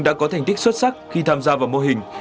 đã có thành tích xuất sắc khi tham gia vào mô hình